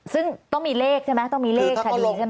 ซึ่งต้องมีเลขใช่ไหมต้องมีเลขชัดเจนใช่ไหม